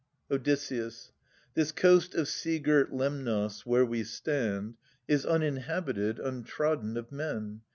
Odysseus. This coast of sea girt Lemnos, where we stand, Is uninhabited, untrodden of men.